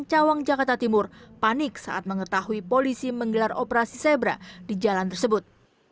cawang jakarta timur panik saat mengetahui polisi menggelar operasi zebra di jalan tersebut